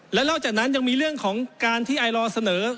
และนอกจากนั้นยังมีเรื่องของการที่ไอลอร์เสนอ